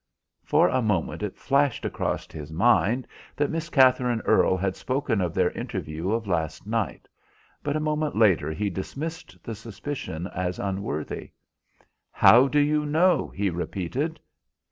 For a moment it flashed across his mind that Miss Katherine Earle had spoken of their interview of last night; but a moment later he dismissed the suspicion as unworthy. "How do you know?" he repeated.